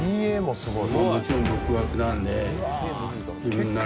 すごい。